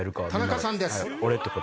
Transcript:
田中さんです。